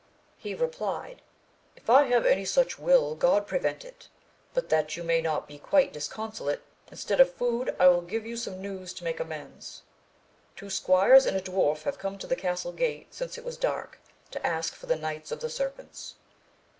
He replied, if I have any such will God prevent it ! but that you may not be quite disconsolate, instead of food I will give you some news to make amends. Two squires and a dwarf have come to the castle gate since it was dark to ask for the Knights of the Serpents.